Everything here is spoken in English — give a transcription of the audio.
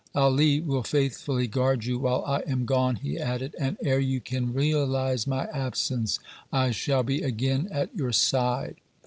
"Ali will faithfully guard you while I am gone," he added, "and ere you can realize my absence, I shall be again at your side."